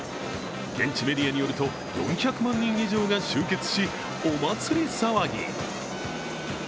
現地メディアによると、４００万人以上が集結し、お祭騒ぎ。